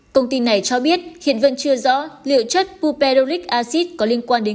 công ty này cho biết hiện vẫn chưa rõ liệu chất puperoric acid có liên quan đến